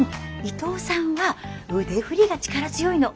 伊藤さんは腕振りが力強いの。